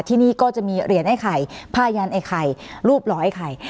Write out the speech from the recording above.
ทีนี้ก็จะมีเหรียญไอ้ใครผ้ายันไอ้ใครรูปหล่อไอ้ใคร